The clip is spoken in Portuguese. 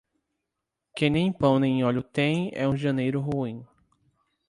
Quem nem pão nem óleo tem, é um janeiro ruim.